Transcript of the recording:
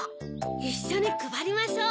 いっしょにくばりましょう。